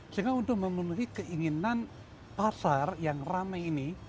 sehingga untuk memenuhi keinginan pasar yang ramai ini